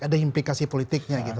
ada implikasi politiknya gitu